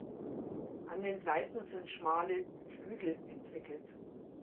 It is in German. An den Seiten sind schmale "Flügel" entwickelt.